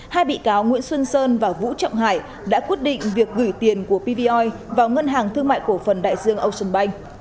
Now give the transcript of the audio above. hai bị cáo nguyễn xuân sơn và vũ trọng hải đã quyết định việc gửi tiền của pvoi vào ngân hàng thương mại cổ phần đại dương ocean bank